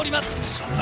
そんな！